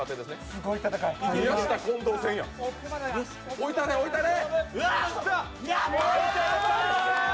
おいたれ、おいたれ！